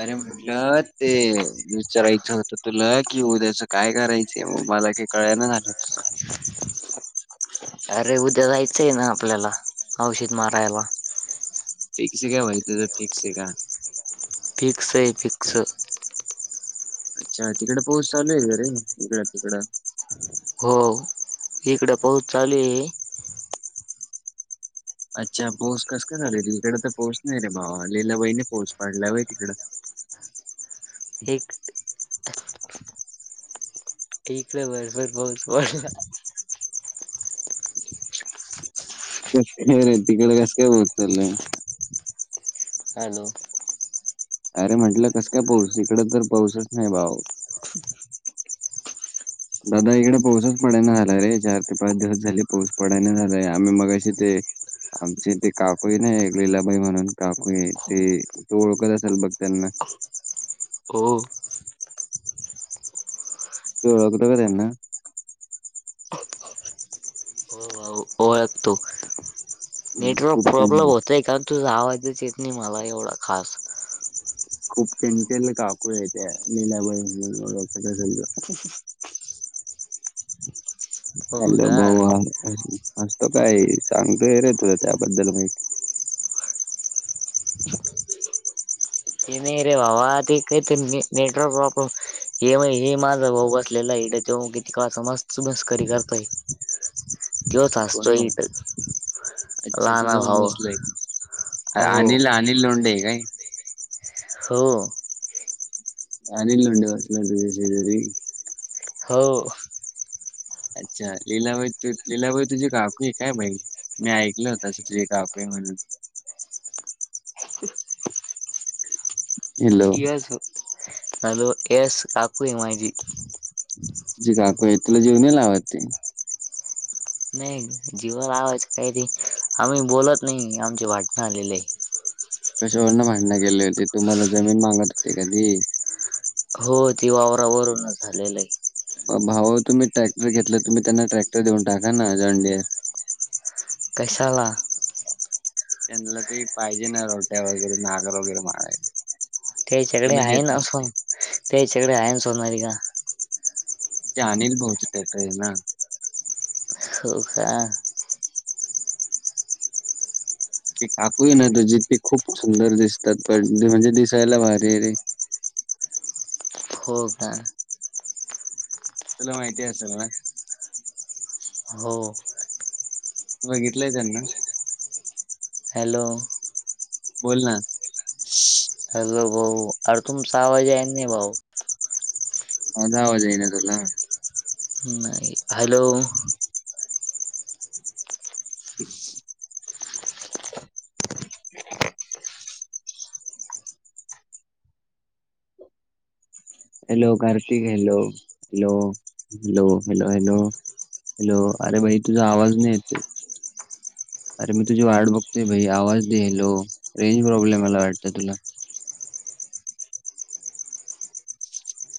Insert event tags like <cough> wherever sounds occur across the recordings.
अरे म्हट ु ल ते विचारायचं होतं तुला की उद्याचं काय करायचं मग मला काही कळाय ना र अरे उद्या जायचं आहे ना आपल्याला औषध मारायला फिक्स का वैत फिक्स आहे का फिक्स आहे फिक्स अच्छा तिकडे पाऊस चालू आहे का रे इकड तिकडं हो इकड पाऊस चालू ए अच्छा पाऊस कस का झालाय इकड तर पाऊस नाही रे भावा लैलाबाईने पाऊस पडलाय होय तिकडं एक ठीकलं भरभर पाऊस पडला तेच हे रे तिकड कस काय <unintelligible> हॅलो अरे म्हटलं कसं काय पाऊस इकड तर पाऊसच नाही भाऊ दादा इकडे पाऊसच पडेना झालाय रे चार ते पाच दिवस झाली पाऊस पडेन झालाय आम्ही मगाशी ते आमचे इथे काकुई नाही ललीलाबाई म्हणून काकुई ते तो ओळखत असेल बघ त्यांना हो <unintelligible> ओळखतो का त्यांना होय भाऊ ओळखतो नेटवर्क खूप प्रॉब्लेम चांगली होतोय का तुझा आवाजच येत नाही मला एवढा खास खूप त्यांच्या <unintelligible> काकू आहेत त्या लीलाबाई म्हणून <unintelligible> हो हॅलो का भाऊ हसतो काय ए सांगतोय रे तुला त्याबद्दल माहिती <unintelligible> ए नाही रे भावा ते काहीत नेटवर्क प्रॉब्लेम हे माझा भाऊ बसलेला आहे त्याच्यामुळे कवाच मस्त मस्करी करतोय त्योच कोण हसतोय भाऊ इथं अच्छा लहाना तुझा भाऊ भाव बसलाय अ अनिल अनिल लोंडे काय हो अनिल लोंढे <unintelligible> तेच्याशेजारी हो अच्छा लीलाबाई तू ललीलाबाई तुझी काकू काय भाई मी ऐकलं होत अस तुजी काकू आहे म्हनून हॅलो यस हॅलो यस काकू ये माझी जी काकुय तुला जीव नाही लावत ते नाही जीवा लावायचं काही नाही आम्ही बोलत नाही आमचे वाटण आलेले ए कशावरन भांडण गेले होते तुम्हाला जमीन मागत होते का ते हो ती वावरावरूनच झालेलं ए भाऊ तुम्ही ट्रॅक्टर घेतलं तुम्ही त्यांना ट्रॅक्टर देऊन टाका ना जंडे कशाला त्यांना ते पाहिजे ना रोट्या वगैरे नागर वगैरे मारायला त्याच्याकडे तुम्ही आहे देत ना नाही. सो त्याच्याकडे आहे ना सोनारी का जानेल <unintelligible> ट्रेन ना हो का ती काकू ना तु जिे खूप सुंदर दिसतात पण म्हणजे दिसायला भारी रे हो का तुला माहिती असेल ना हो बघितलंय त्यांना हॅलो बोल ना हॅलो भाऊ अरे तुमचं आवाज येईन भाऊ माझा आवाज येईन तुला नाही हॅलो तेच ह hello Kartik hello hello hello hello hello hello अरे भाई तुझा आवाज नाही येतोय अरे मी तुझी वाट बघतोय भाई आवाज द्यायलो रेंज प्रॉब्लेम मला वाटत तुला ह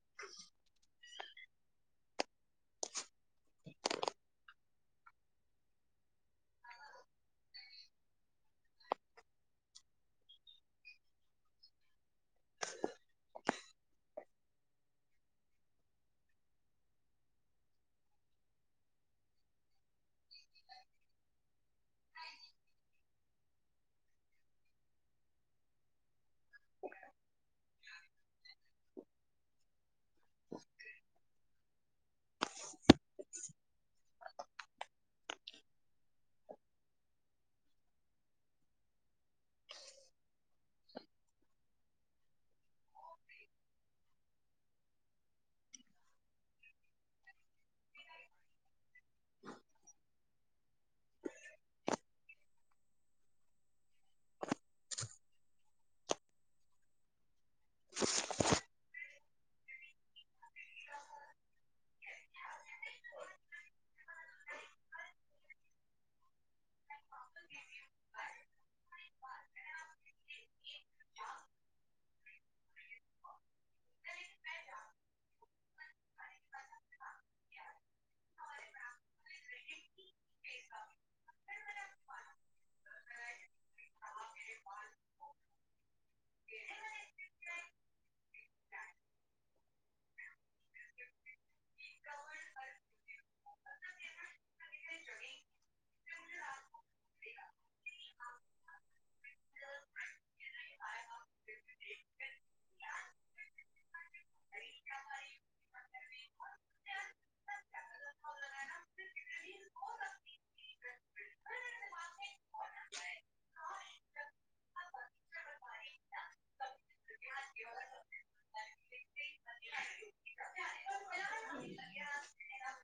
<unintelligible> <unintelligible> ह ह <unintelligible> <unintelligible> <unintelligible> ह <unintelligible> ह <unintelligible> <unintelligible>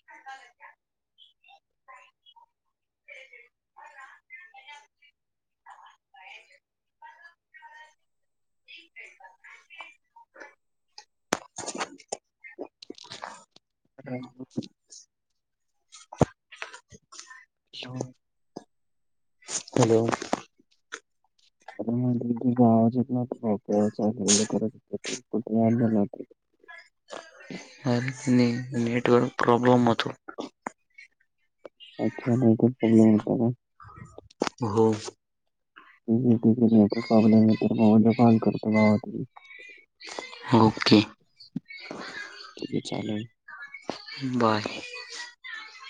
ह अडे हो ह आणे आवाज येत नव्हचा हल् करत कुठेव नेटवर्क प्रॉब्लेम होतो अच्छा नाही तर प्रॉब्लेम होता का हो ठिकणी तर पावले तर म पाल करतो बावा त ओके चालेल बार